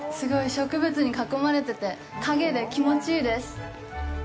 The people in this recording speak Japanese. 植物に囲まれてて影で気持ちいいです。